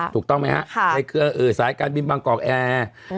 ถูกต้องไหมฮะในเครือสายการบินบางกอกแอร์